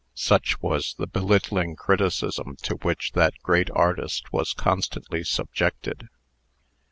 Such was the belittling criticism to which that great artist was constantly subjected.